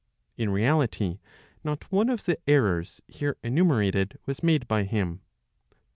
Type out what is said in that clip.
In reality not one of the errors here enumerated was made by him.